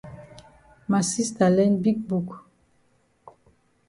Ma sista learn big book.